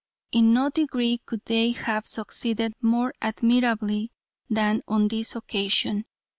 In no degree could they have succeeded more admirably than on this occasion.